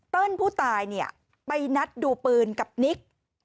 เติ้ลผู้ตายไปนัดดูปืนกับนิค